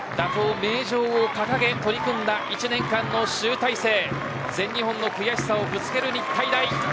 名城を掲げ取り組んだ１年間の集大成全日本の悔しさをぶつける日体大。